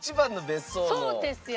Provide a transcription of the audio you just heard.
そうですよ。